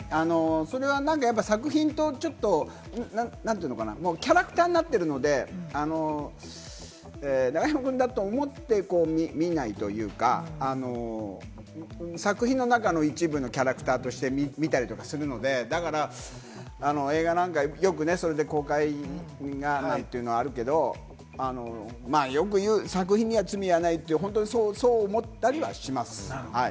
それは作品とちょっと、キャラクターになってるので、永山くんだと思って見ないというか、作品の中の一部のキャラクターとして見たりとかするので、だから、映画なんかはよくそれで公開がというのはあるけれども、作品には罪はないって本当にそう思ったりはします。